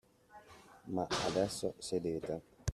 Ma adesso sedete.